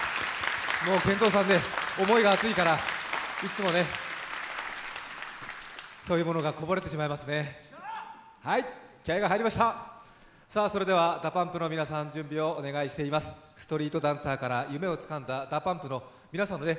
ＫＥＮＺＯさん、思いが熱いから、いつもそういうものがこぼれてしまいますね。